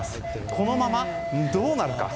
このままどうなるか。